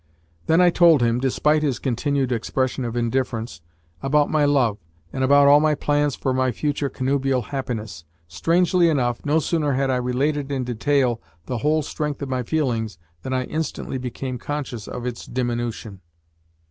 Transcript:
Then I told him despite his continued expression of indifference about my love, and about all my plans for my future connubial happiness. Strangely enough, no sooner had I related in detail the whole strength of my feelings than I instantly became conscious of its diminution.